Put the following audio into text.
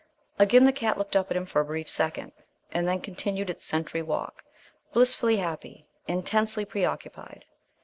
Again the cat looked up at him for a brief second, and then continued its sentry walk, blissfully happy, intensely preoccupied.